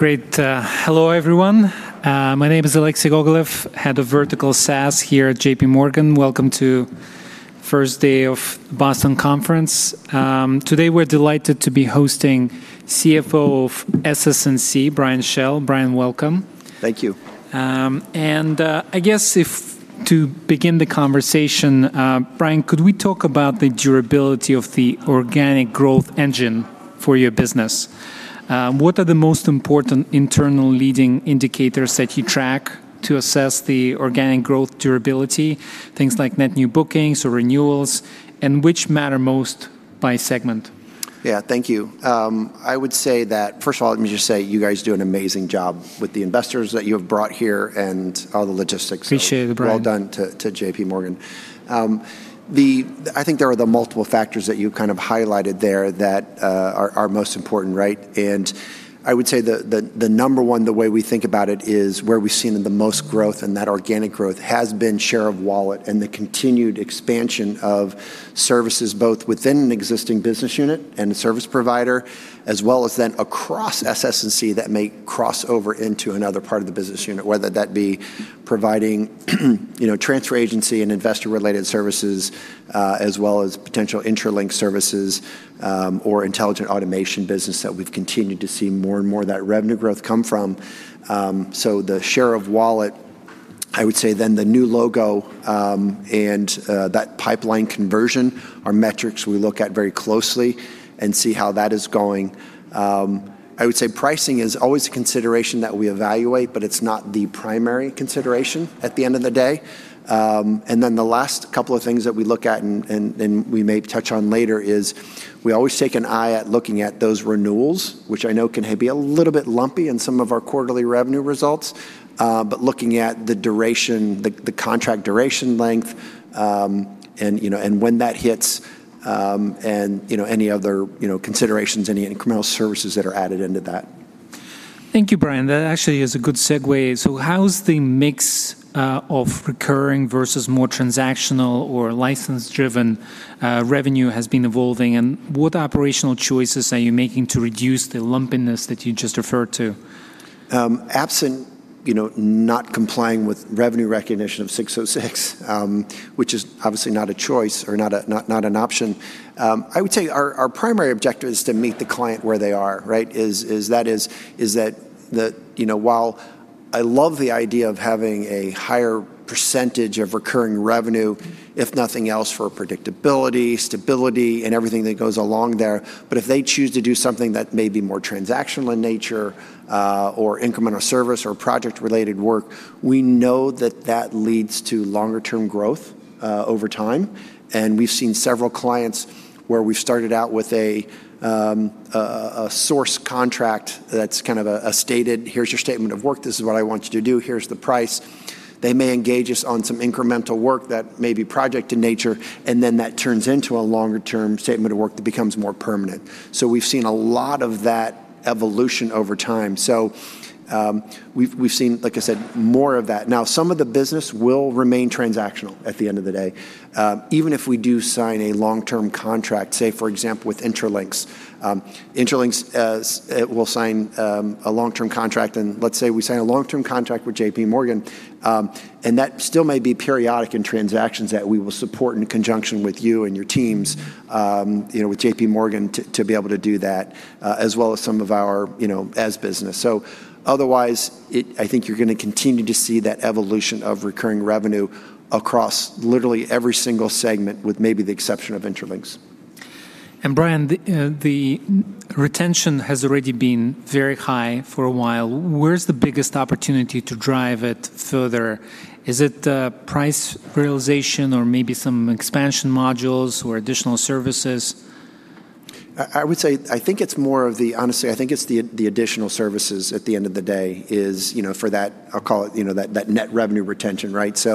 Great. Hello everyone. My name is Alexei Gogolev, Head of Vertical SaaS here at JPMorgan. Welcome to first day of Boston Conference. Today we're delighted to be hosting CFO of SS&C, Brian Schell. Brian, welcome. Thank you. I guess if to begin the conversation, Brian, could we talk about the durability of the organic growth engine for your business? What are the most important internal leading indicators that you track to assess the organic growth durability, things like net new bookings or renewals, and which matter most by segment? Yeah. Thank you. I would say that, first of all, let me just say you guys do an amazing job with the investors that you have brought here and all the logistics. Appreciate it, Brian. Well done to JPMorgan. I think there are the multiple factors that you kind of highlighted there that are most important, right? I would say the number one, the way we think about it is where we've seen the most growth, and that organic growth has been share of wallet and the continued expansion of services both within an existing business unit and the service provider, as well as then across SS&C that may cross over into another part of the business unit, whether that be providing, you know, transfer agency and investor-related services, as well as potential Intralinks services, or intelligent automation business that we've continued to see more and more of that revenue growth come from. The share of wallet, I would say then the new logo, and that pipeline conversion are metrics we look at very closely and see how that is going. I would say pricing is always a consideration that we evaluate, but it's not the primary consideration at the end of the day. Then the last couple of things that we look at and we may touch on later is we always take an eye at looking at those renewals, which I know can be a little bit lumpy in some of our quarterly revenue results. Looking at the duration, the contract duration length, and, you know, and when that hits, and, you know, any other, you know, considerations, any incremental services that are added into that. Thank you, Brian. That actually is a good segue. How's the mix of recurring versus more transactional or license-driven revenue has been evolving, and what operational choices are you making to reduce the lumpiness that you just referred to? Absent, you know, not complying with revenue recognition of ASC 606, which is obviously not a choice or not an option, I would say our primary objective is to meet the client where they are, right? Is that the You know, while I love the idea of having a higher percentage of recurring revenue, if nothing else, for predictability, stability, and everything that goes along there, but if they choose to do something that may be more transactional in nature, or incremental service or project-related work, we know that that leads to longer-term growth over time. We've seen several clients where we've started out with a source contract that's kind of a stated, "Here's your statement of work. This is what I want you to do. Here's the price." They may engage us on some incremental work that may be project in nature, and then that turns into a longer-term statement of work that becomes more permanent. We've seen a lot of that evolution over time. We've seen, like I said, more of that. Now, some of the business will remain transactional at the end of the day. Even if we do sign a long-term contract, say for example, with Intralinks, we'll sign a long-term contract and let's say we sign a long-term contract with JPMorgan, and that still may be periodic in transactions that we will support in conjunction with you and your teams, you know, with JPMorgan to be able to do that, as well as some of our, you know, as business. Otherwise, I think you're gonna continue to see that evolution of recurring revenue across literally every single segment with maybe the exception of Intralinks. Brian, the retention has already been very high for a while. Where's the biggest opportunity to drive it further? Is it price realization or maybe some expansion modules or additional services? I would say I think it's more of the honestly, I think it's the additional services at the end of the day is, you know, for that, I'll call it, you know, that net revenue retention, right?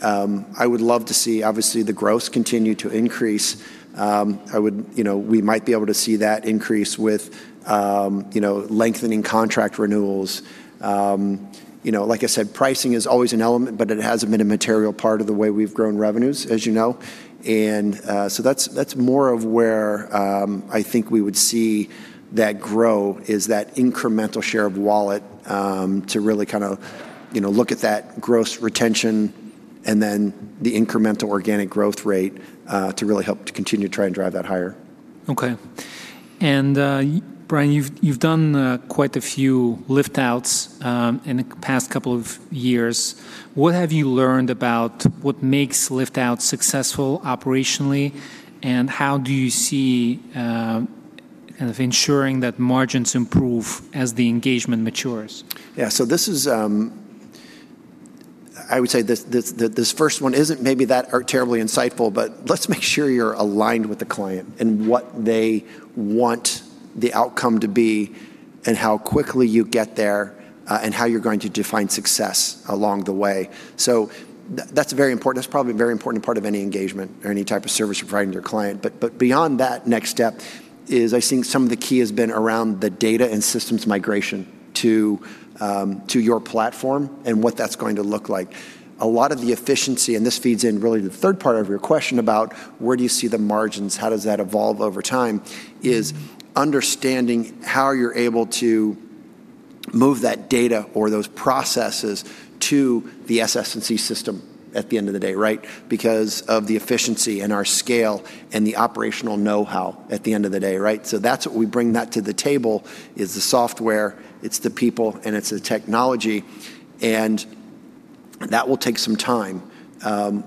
I would love to see obviously the growth continue to increase. You know, we might be able to see that increase with, you know, lengthening contract renewals. You know, like I said, pricing is always an element, but it hasn't been a material part of the way we've grown revenues, as you know. That's more of where I think we would see that grow is that incremental share of wallet, to really kind of, you know, look at that gross retention and then the incremental organic growth rate, to really help to continue to try and drive that higher. Okay. Brian, you've done quite a few lift outs in the past couple of years. What have you learned about what makes lift outs successful operationally, and how do you see kind of ensuring that margins improve as the engagement matures? Yeah. This is, I would say this first one isn't maybe that or terribly insightful, but let's make sure you're aligned with the client and what they want the outcome to be and how quickly you get there, and how you're going to define success along the way. That's very important. That's probably a very important part of any engagement or any type of service you're providing to your client. But beyond that next step is I think some of the key has been around the data and systems migration to your platform and what that's going to look like. A lot of the efficiency, and this feeds in really to the third part of your question about where do you see the margins, how does that evolve over time, is understanding how you're able to move that data or those processes to the SS&C system at the end of the day, right? Because of the efficiency and our scale and the operational know-how at the end of the day, right? That's what we bring that to the table is the software, it's the people, and it's the technology, and that will take some time.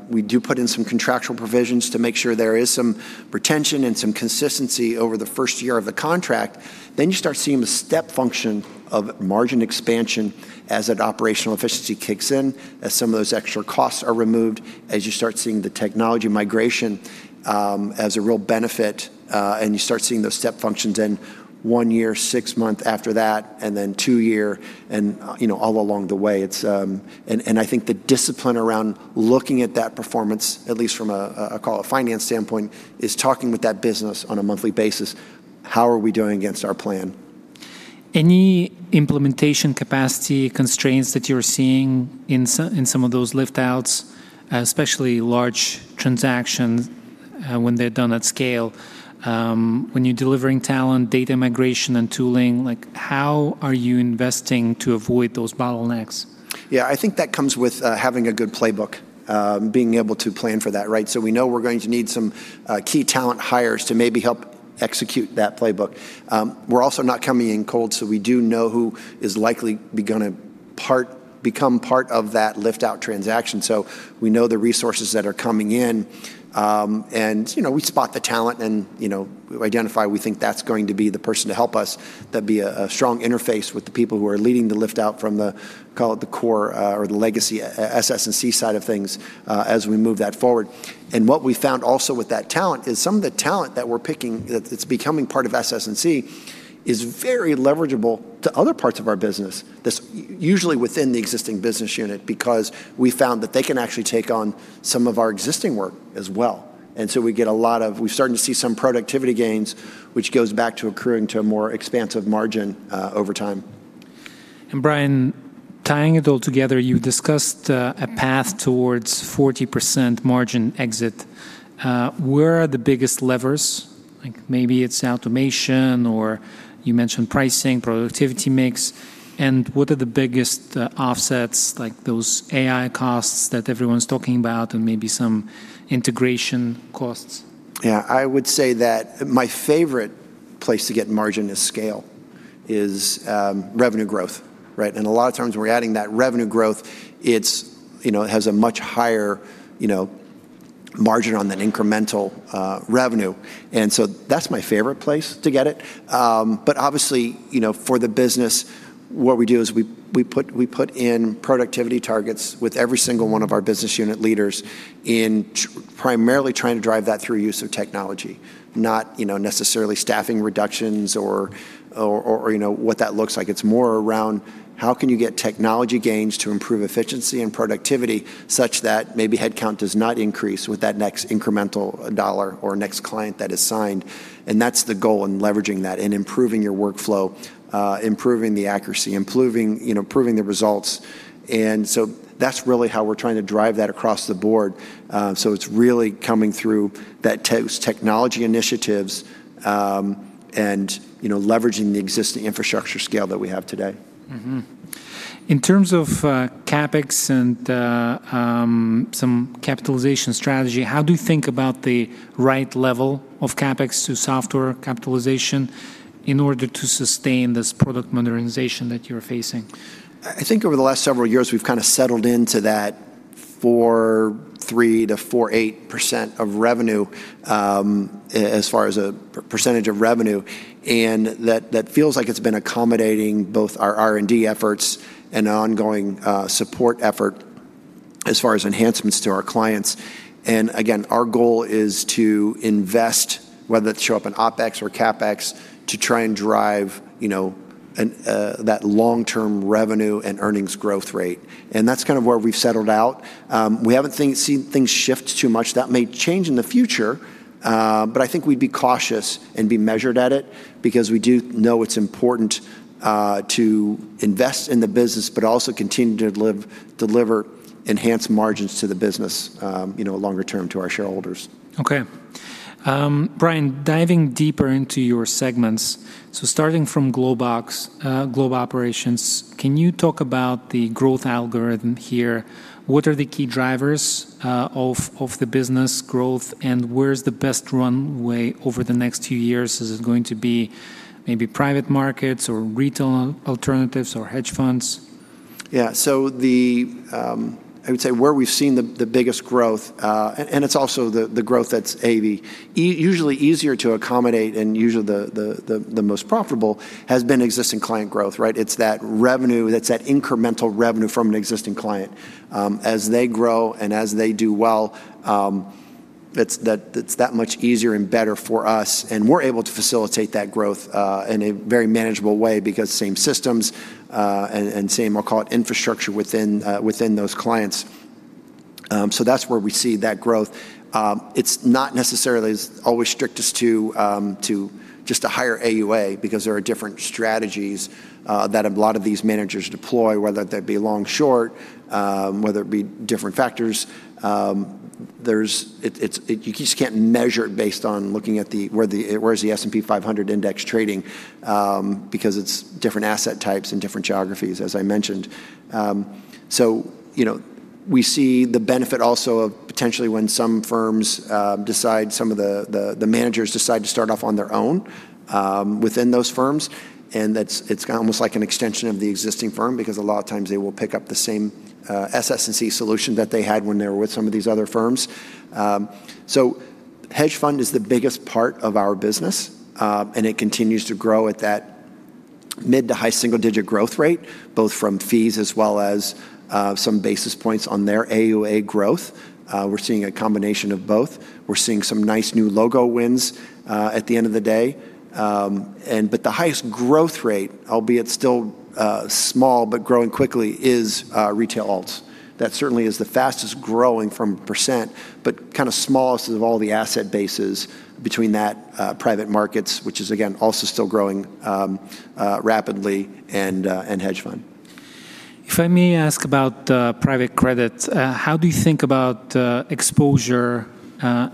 We do put in some contractual provisions to make sure there is some retention and some consistency over the first year of the contract. You start seeing the step function of margin expansion as that operational efficiency kicks in, as some of those extra costs are removed, as you start seeing the technology migration as a real benefit, and you start seeing those step functions in one year, six months after that, and then two years and, you know, all along the way. I think the discipline around looking at that performance, at least from a finance standpoint, is talking with that business on a monthly basis. How are we doing against our plan? Any implementation capacity constraints that you're seeing in some of those lift outs, especially large transactions, when they're done at scale, when you're delivering talent, data migration, and tooling, like how are you investing to avoid those bottlenecks? Yeah. I think that comes with having a good playbook, being able to plan for that, right? We know we're going to need some key talent hires to maybe help execute that playbook. We're also not coming in cold, so we do know who is likely become part of that lift out transaction. We know the resources that are coming in, and, you know, we spot the talent and, you know, identify we think that's going to be the person to help us. That'd be a strong interface with the people who are leading the lift out from the, call it the core, or the legacy, SS&C side of things, as we move that forward. What we found also with that talent is some of the talent that we're picking, that's becoming part of SS&C, is very leverageable to other parts of our business. That's usually within the existing business unit because we found that they can actually take on some of our existing work as well. We're starting to see some productivity gains, which goes back to accruing to a more expansive margin over time. Brian, tying it all together, you discussed, a path towards 40% margin exit. Where are the biggest levers? Like maybe it's automation or you mentioned pricing, productivity mix. What are the biggest, offsets, like those AI costs that everyone's talking about and maybe some integration costs? Yeah. I would say that my favorite place to get margin is scale, is revenue growth, right? A lot of times when we're adding that revenue growth, it's, you know, it has a much higher, you know, margin on that incremental revenue. That's my favorite place to get it. Obviously, you know, for the business, what we do is we put in productivity targets with every single one of our business unit leaders primarily trying to drive that through use of technology, not, you know, necessarily staffing reductions or, you know, what that looks like. It's more around how can you get technology gains to improve efficiency and productivity such that maybe headcount does not increase with that next incremental dollar or next client that is signed. That's the goal in leveraging that, in improving your workflow, improving the accuracy, improving, you know, improving the results. That's really how we're trying to drive that across the board. It's really coming through that technology initiatives, and, you know, leveraging the existing infrastructure scale that we have today. In terms of CapEx and some capitalization strategy, how do you think about the right level of CapEx to software capitalization in order to sustain this product modernization that you're facing? I think over the last several years, we've kinda settled into that 4.3% to 4.8% of revenue, as far as a percentage of revenue. That feels like it's been accommodating both our R&D efforts and ongoing support effort as far as enhancements to our clients. Again, our goal is to invest, whether it show up in OpEx or CapEx, to try and drive, you know, a long-term revenue and earnings growth rate. That's kind of where we've settled out. We haven't seen things shift too much. That may change in the future, but I think we'd be cautious and be measured at it because we do know it's important to invest in the business but also continue to deliver enhanced margins to the business, you know, longer term to our shareholders. Okay. Brian, diving deeper into your segments, starting from GlobeOp, Globe Operations, can you talk about the growth algorithm here? What are the key drivers of the business growth, and where's the best runway over the next two years? Is it going to be maybe private markets or retail alternatives or hedge funds? The, I would say where we've seen the biggest growth, and it's also the growth that's usually easier to accommodate and usually the most profitable, has been existing client growth, right? It's that revenue, that's that incremental revenue from an existing client. As they grow and as they do well, it's that much easier and better for us, and we're able to facilitate that growth in a very manageable way because same systems, and same, I'll call it infrastructure within those clients. That's where we see that growth. It's not necessarily as always strict as to just higher AUA because there are different strategies that a lot of these managers deploy, whether that be long-short, whether it be different factors. You just can't measure it based on looking at where is the S&P 500 index trading because it's different asset types and different geographies, as I mentioned. You know, we see the benefit also of potentially when some firms, some of the managers decide to start off on their own within those firms, and that's almost like an extension of the existing firm because a lot of times they will pick up the same SS&C solution that they had when they were with some of these other firms. Hedge fund is the biggest part of our business, and it continues to grow at that mid to high single-digit growth rate, both from fees as well as some basis points on their AUA growth. We're seeing a combination of both. We're seeing some nice new logo wins at the end of the day. The highest growth rate, albeit still small but growing quickly, is retail alts. That certainly is the fastest-growing from percent, but kinda smallest of all the asset bases between that, private markets, which is again also still growing rapidly, and hedge fund. If I may ask about private credit, how do you think about exposure,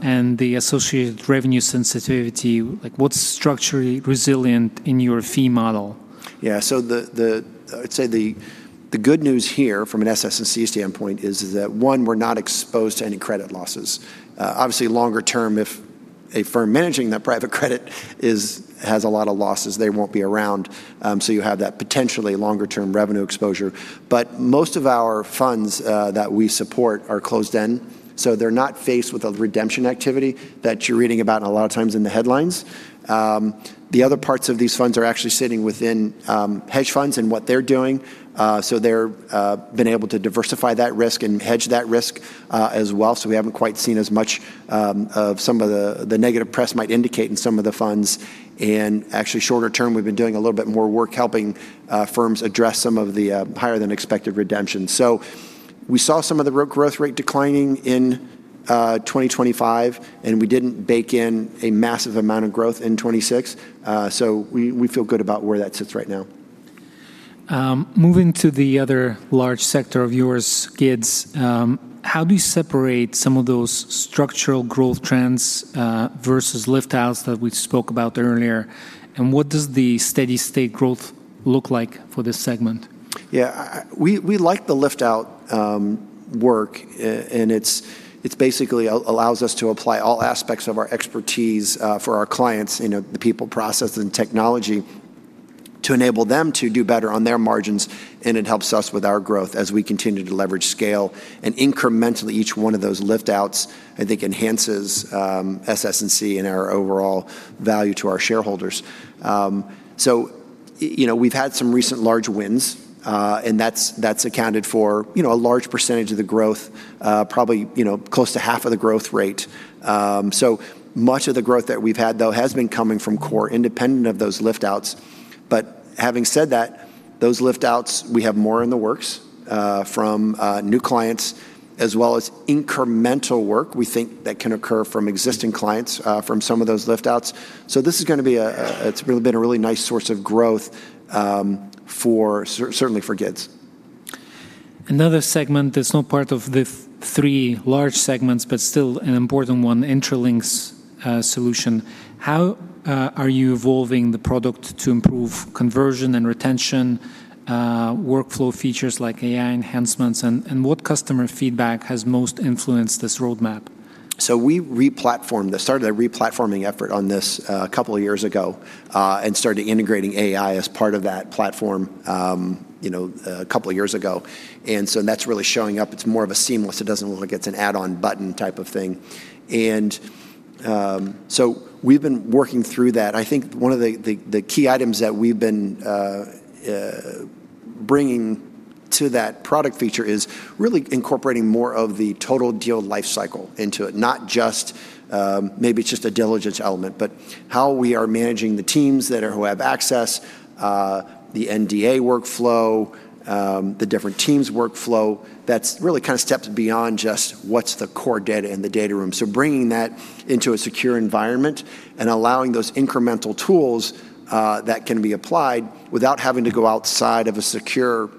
and the associated revenue sensitivity? Like, what's structurally resilient in your fee model? The good news here from an SS&C standpoint is that one, we're not exposed to any credit losses. Obviously longer term, if a firm managing that private credit has a lot of losses, they won't be around, so you have that potentially longer-term revenue exposure. Most of our funds that we support are closed-end, so they're not faced with a redemption activity that you're reading about a lot of times in the headlines. The other parts of these funds are actually sitting within hedge funds and what they're doing, so they've been able to diversify that risk and hedge that risk as well, so we haven't quite seen as much of some of the negative press might indicate in some of the funds. Actually shorter term, we've been doing a little bit more work helping firms address some of the higher than expected redemptions. We saw some of the growth rate declining in 2025, and we didn't bake in a massive amount of growth in 2026. We feel good about where that sits right now. Moving to the other large sector of yours, GIDS, how do you separate some of those structural growth trends, versus lift outs that we spoke about earlier? What does the steady state growth look like for this segment? Yeah, we like the lift-out work, and it's basically allows us to apply all aspects of our expertise for our clients, you know, the people, process, and technology, to enable them to do better on their margins, and it helps us with our growth as we continue to leverage scale. Incrementally, each one of those lift-outs I think enhances SS&C and our overall value to our shareholders. You know, we've had some recent large wins, and that's accounted for, you know, a large percentage of the growth, probably, you know, close to half of the growth rate. Much of the growth that we've had, though, has been coming from core independent of those lift-outs. Having said that, those lift-outs, we have more in the works from new clients as well as incremental work we think that can occur from existing clients from some of those lift-outs. This is gonna be a really nice source of growth certainly for GIDS. Another segment that's not part of the three large segments, but still an important one, Intralinks solution. How are you evolving the product to improve conversion and retention, workflow features like AI enhancements? What customer feedback has most influenced this roadmap? We re-platformed. They started a re-platforming effort on this a couple of years ago and started integrating AI as part of that platform, you know, a couple of years ago. That's really showing up. It's more of a seamless. It doesn't look like it's an add-on button type of thing. We've been working through that. I think one of the key items that we've been bringing to that product feature is really incorporating more of the total deal life cycle into it, not just, maybe it's just a diligence element, but how we are managing the teams who have access, the NDA workflow, the different teams' workflow. That's really kind of steps beyond just what's the core data in the data room. Bringing that into a secure environment and allowing those incremental tools that can be applied without having to go outside of a secure,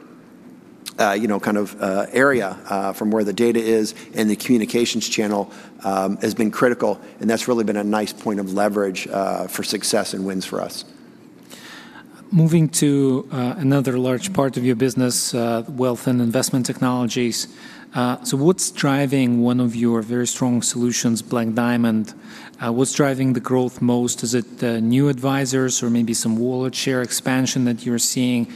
you know, kind of, area, from where the data is and the communications channel, has been critical, and that's really been a nice point of leverage for success and wins for us. Moving to another large part of your business, wealth and investment technologies, what's driving one of your very strong solutions, Black Diamond? What's driving the growth most? Is it new advisors or maybe some wallet share expansion that you're seeing?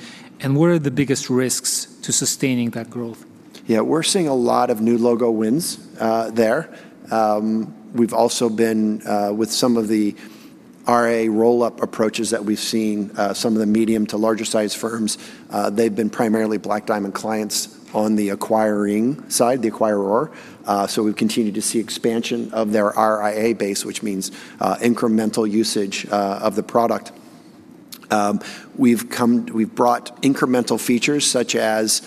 What are the biggest risks to sustaining that growth? Yeah, we're seeing a lot of new logo wins there. We've also been with some of the RIA roll-up approaches that we've seen, some of the medium to larger-sized firms, they've been primarily Black Diamond clients on the acquiring side, the acquirer. We've continued to see expansion of their RIA base, which means incremental usage of the product. We've brought incremental features such as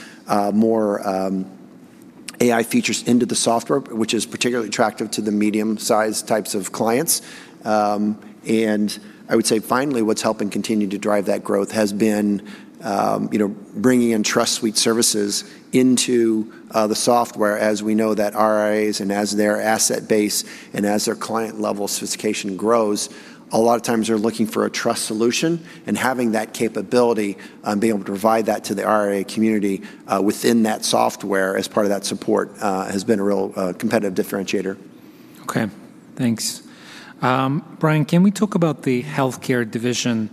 more AI features into the software, which is particularly attractive to the medium-sized types of clients. I would say finally, what's helping continue to drive that growth has been, you know, bringing in Trust Suite services into the software as we know that RIAs and as their asset base and as their client-level sophistication grows, a lot of times they're looking for a Trust solution, and having that capability and being able to provide that to the RIA community, within that software as part of that support, has been a real competitive differentiator. Okay. Thanks. Brian, can we talk about the healthcare division?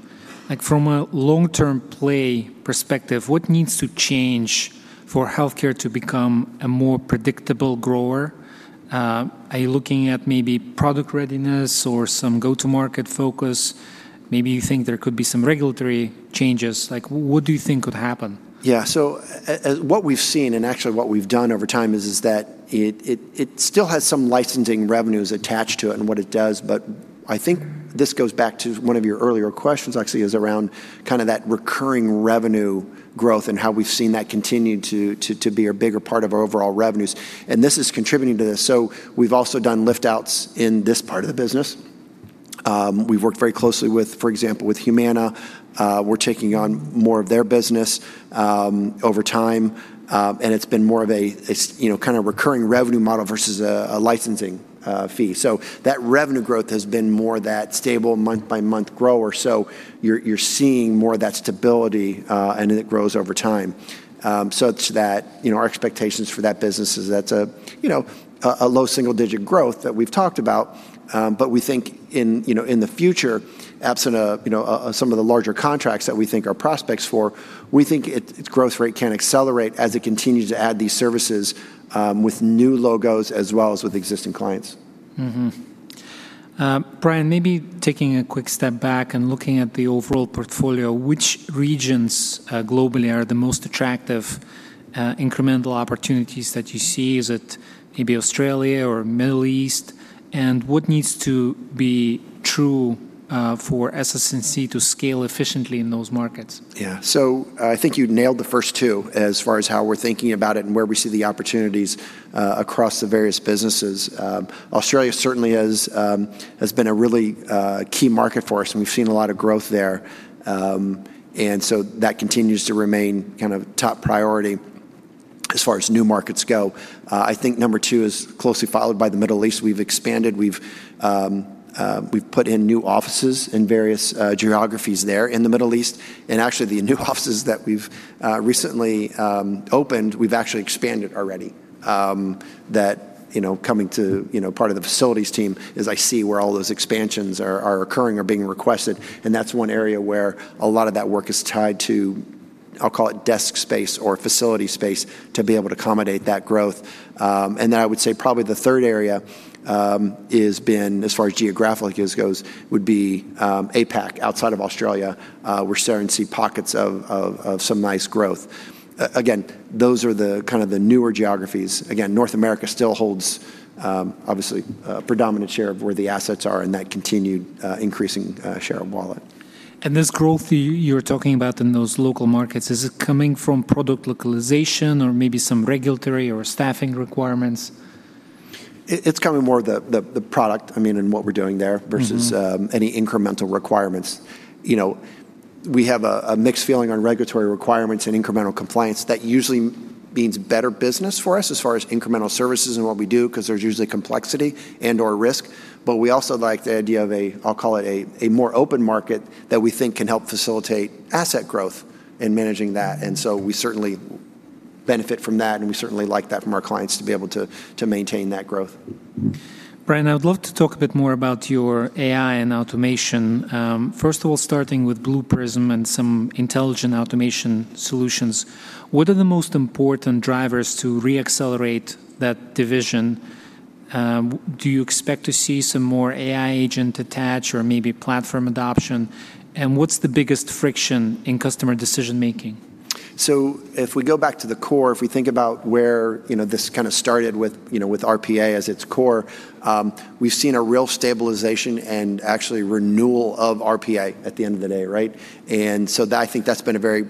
Like, from a long-term play perspective, what needs to change for healthcare to become a more predictable grower? Are you looking at maybe product readiness or some go-to-market focus? Maybe you think there could be some regulatory changes. Like, what do you think could happen? Yeah. What we've seen and actually what we've done over time is that it still has some licensing revenues attached to it and what it does, but I think this goes back to one of your earlier questions actually is around kinda that recurring revenue growth and how we've seen that continue to be a bigger part of our overall revenues, and this is contributing to this. We've also done lift-outs in this part of the business. We've worked very closely with, for example, Humana. We're taking on more of their business over time, and it's been more of a, you know, kinda recurring revenue model versus a licensing fee. That revenue growth has been more that stable month-by-month grower. You're seeing more of that stability, and it grows over time. Such that, you know, our expectations for that business is that's a, you know, a low single-digit growth that we've talked about. We think in, you know, in the future, absent a, you know, some of the larger contracts that we think are prospects for, we think its growth rate can accelerate as it continues to add these services, with new logos as well as with existing clients. Brian, maybe taking a quick step back and looking at the overall portfolio, which regions globally are the most attractive incremental opportunities that you see? Is it maybe Australia or Middle East? What needs to be true for SS&C to scale efficiently in those markets? Yeah. I think you nailed the first two as far as how we're thinking about it and where we see the opportunities across the various businesses. Australia certainly is has been a really key market for us, and we've seen a lot of growth there. That continues to remain kind of top priority as far as new markets go. I think number two is closely followed by the Middle East. We've expanded. We've put in new offices in various geographies there in the Middle East. The new offices that we've recently opened, we've actually expanded already. That, you know, coming to, you know, part of the facilities team is I see where all those expansions are occurring or being requested, and that's one area where a lot of that work is tied to, I'll call it desk space or facility space to be able to accommodate that growth. Then I would say probably the third area has been, as far as geographically as goes, would be APAC outside of Australia. We're starting to see pockets of some nice growth. Again, those are the kind of the newer geographies. Again, North America still holds, obviously a predominant share of where the assets are and that continued increasing share of wallet. This growth you're talking about in those local markets, is it coming from product localization or maybe some regulatory or staffing requirements? It's coming more the product, I mean, in what we're doing there versus any incremental requirements. You know, we have a mixed feeling on regulatory requirements and incremental compliance. That usually means better business for us as far as incremental services and what we do 'cause there's usually complexity and/or risk. We also like the idea of a, I'll call it a more open market that we think can help facilitate asset growth in managing that. We certainly benefit from that, and we certainly like that from our clients to be able to maintain that growth. Brian, I would love to talk a bit more about your AI and automation. First of all, starting with Blue Prism and some intelligent automation solutions, what are the most important drivers to re-accelerate that division? Do you expect to see some more AI agent attach or maybe platform adoption? What's the biggest friction in customer decision-making? If we go back to the core, if we think about where, you know, this kinda started with, you know, with RPA as its core, we've seen a real stabilization and actually renewal of RPA at the end of the day, right? I think that's been a very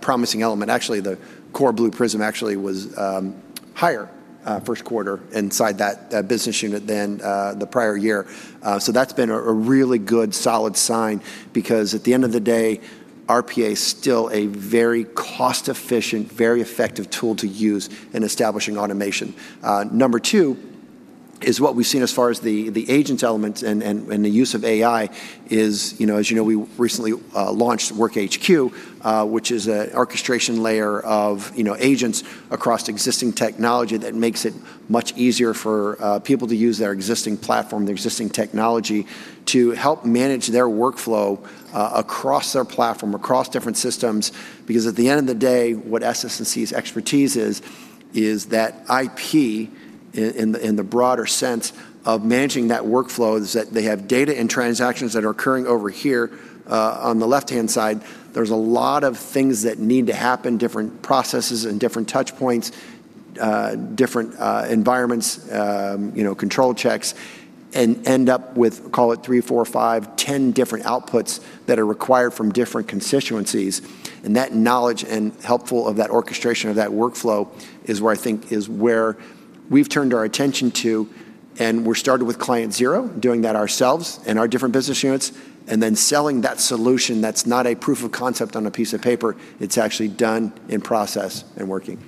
promising element. Actually, the core Blue Prism actually was higher first quarter inside that business unit than the prior year. That's been a really good solid sign because at the end of the day, RPA is still a very cost-efficient, very effective tool to use in establishing automation. Number two is what we've seen as far as the agent element and the use of AI is, you know, as you know, we recently launched WorkHQ, which is an orchestration layer of, you know, agents across existing technology that makes it much easier for people to use their existing platform, their existing technology to help manage their workflow across their platform, across different systems. At the end of the day, what SS&C's expertise is that IP in the broader sense of managing that workflow is that they have data and transactions that are occurring over here on the left-hand side. There's a lot of things that need to happen, different processes and different touch points, different environments, you know, control checks, and end up with, call it three, four, five, 10 different outputs that are required from different constituencies. That knowledge and helpful of that orchestration of that workflow is where I think we've turned our attention to, and we're started with client zero, doing that ourselves in our different business units, and then selling that solution that's not a proof of concept on a piece of paper. It's actually done in process and working.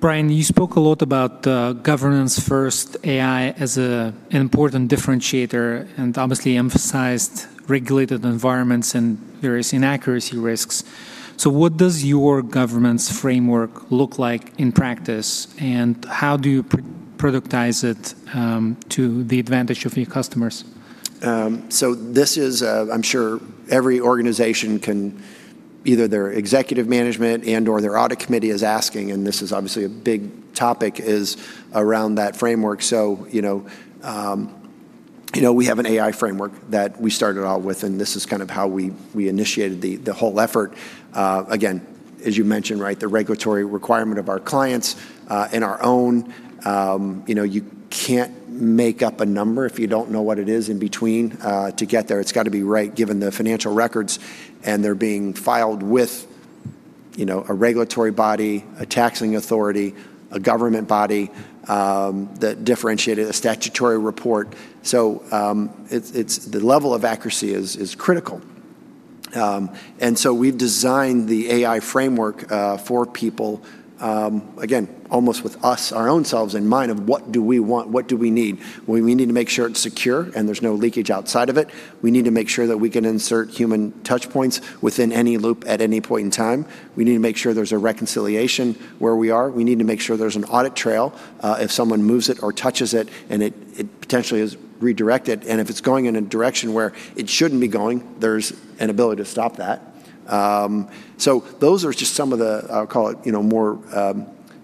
Brian, you spoke a lot about governance first, AI as an important differentiator, and obviously emphasized regulated environments and various inaccuracy risks. What does your governance framework look like in practice, and how do you productize it to the advantage of your customers? This is, I'm sure every organization can, either their executive management and/or their audit committee is asking, and this is obviously a big topic, is around that framework. You know, we have an AI framework that we started out with, and this is kind of how we initiated the whole effort. Again, as you mentioned, right, the regulatory requirement of our clients, and our own, you know, you can't make up a number if you don't know what it is in between, to get there. It's got to be right given the financial records, and they're being filed with, you know, a regulatory body, a taxing authority, a government body, that differentiated a statutory report. It's the level of accuracy is critical. We've designed the AI framework for people, again, almost with us, our own selves in mind of what do we want, what do we need. We need to make sure it's secure and there's no leakage outside of it. We need to make sure that we can insert human touch points within any loop at any point in time. We need to make sure there's a reconciliation where we are. We need to make sure there's an audit trail if someone moves it or touches it, and it potentially is redirected. If it's going in a direction where it shouldn't be going, there's an ability to stop that. Those are just some of the, I'll call it, you know, more,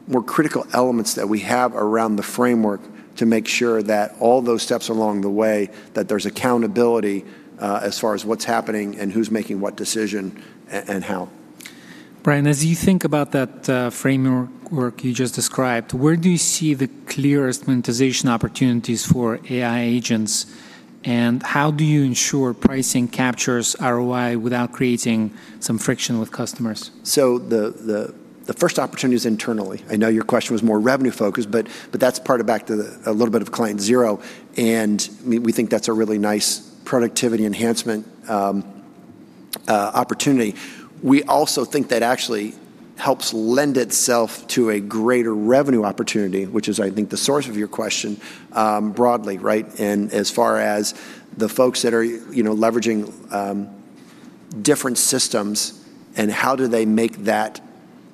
more critical elements that we have around the framework to make sure that all those steps along the way, that there's accountability, as far as what's happening and who's making what decision and how. Brian, as you think about that, framework you just described, where do you see the clearest monetization opportunities for AI agents, and how do you ensure pricing captures ROI without creating some friction with customers? The first opportunity is internally. I know your question was more revenue-focused, but that's part of a little bit of client zero. We think that's a really nice productivity enhancement opportunity. We also think that actually helps lend itself to a greater revenue opportunity, which is, I think, the source of your question, broadly, right? As far as the folks that are, you know, leveraging different systems and how do they make that,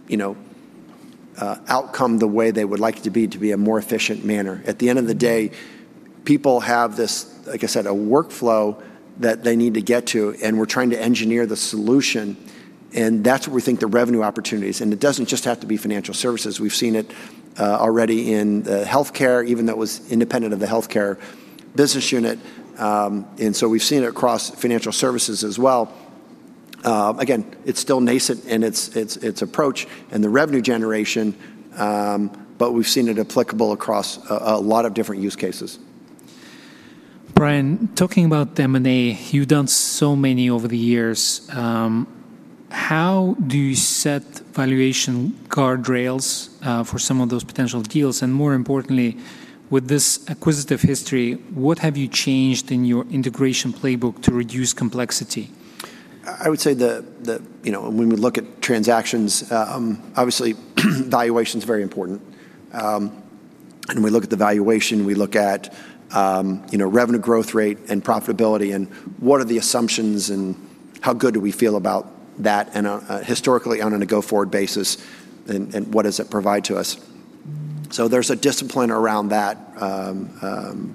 you know, outcome the way they would like it to be to be a more efficient manner. At the end of the day, people have this, like I said, a workflow that they need to get to. We're trying to engineer the solution, and that's where we think the revenue opportunity is. It doesn't just have to be financial services. We've seen it already in healthcare, even though it was independent of the healthcare business unit. We've seen it across financial services as well. Again, it's still nascent in its approach and the revenue generation, but we've seen it applicable across a lot of different use cases. Brian, talking about M&A, you've done so many over the years. How do you set valuation guardrails, for some of those potential deals? More importantly, with this acquisitive history, what have you changed in your integration playbook to reduce complexity? I would say the, you know, when we look at transactions, obviously valuation is very important. We look at the valuation, we look at, you know, revenue growth rate and profitability, and what are the assumptions and how good do we feel about that and historically and on a go-forward basis, and what does it provide to us? There's a discipline around that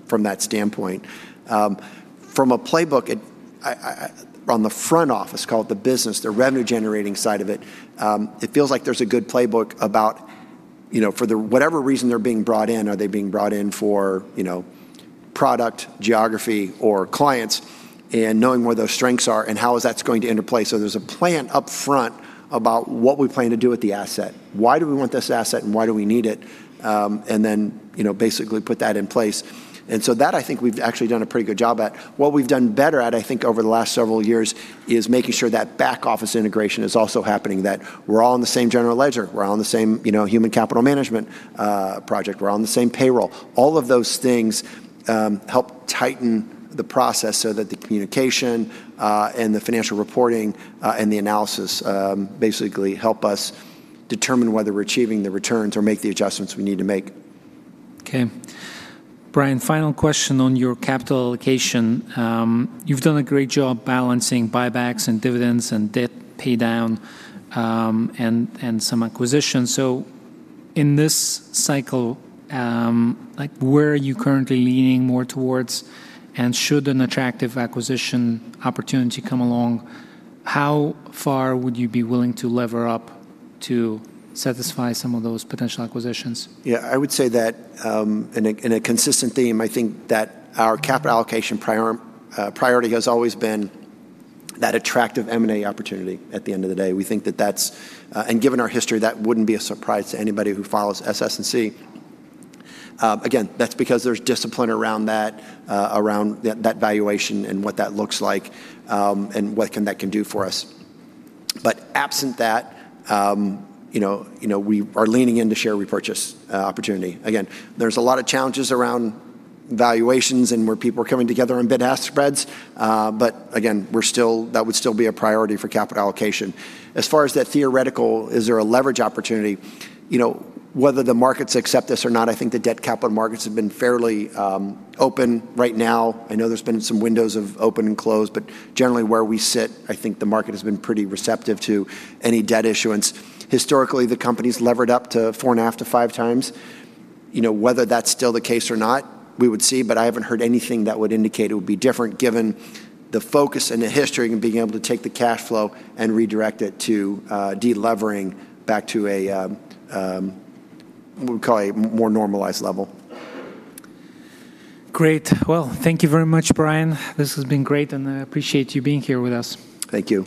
from that standpoint. From a playbook I, on the front office, call it the business, the revenue-generating side of it feels like there's a good playbook about, you know, for the whatever reason they're being brought in. Are they being brought in for, you know, product, geography, or clients? Knowing where those strengths are and how is that's going to interplay. There's a plan up front about what we plan to do with the asset. Why do we want this asset, and why do we need it? You know, basically put that in place. That I think we've actually done a pretty good job at. What we've done better at, I think, over the last several years is making sure that back-office integration is also happening, that we're all on the same general ledger. We're all on the same, you know, human capital management project. We're all on the same payroll. All of those things help tighten the process so that the communication and the financial reporting and the analysis basically help us determine whether we're achieving the returns or make the adjustments we need to make. Okay. Brian, final question on your capital allocation. You've done a great job balancing buybacks and dividends and debt paydown, and some acquisitions. In this cycle, like, where are you currently leaning more towards? Should an attractive acquisition opportunity come along, how far would you be willing to lever up to satisfy some of those potential acquisitions? Yeah, I would say that in a consistent theme, I think that our capital allocation priority has always been that attractive M&A opportunity at the end of the day. We think that that's, and given our history, that wouldn't be a surprise to anybody who follows SS&C. Again, that's because there's discipline around that, around that valuation and what that looks like, and what that can do for us. Absent that, you know, you know, we are leaning into share repurchase opportunity. Again, there's a lot of challenges around valuations and where people are coming together on bid-ask spreads. Again, that would still be a priority for capital allocation. As far as that theoretical, is there a leverage opportunity? You know, whether the markets accept this or not, I think the debt capital markets have been fairly open right now. I know there's been some windows of open and close, generally where we sit, I think the market has been pretty receptive to any debt issuance. Historically, the company's levered up to 4.5x to 5x. You know, whether that's still the case or not, we would see, I haven't heard anything that would indicate it would be different given the focus and the history in being able to take the cash flow and redirect it to de-levering back to a we'll call it more normalized level. Great. Well, thank you very much, Brian. This has been great, and I appreciate you being here with us. Thank you.